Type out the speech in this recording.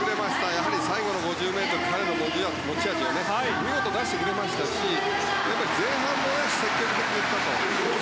やはり最後の５０ｍ彼の持ち味を見事に出してくれましたし前半も積極的に行ったと。